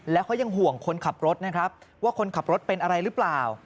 แล้วเขายังห่วงคนขับรถนะครับว่าคนขับรถเป็นอะไรหรือเปล่า